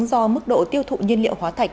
do mức độ tiêu thụ nhiên liệu hóa thạch